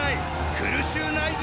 苦しゅーないぞ！